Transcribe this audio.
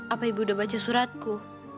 apa ibu udah baca suratku